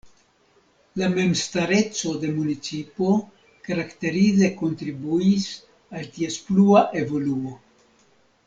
La memstareco de municipo karakterize kontribuis al ties plua evoluo.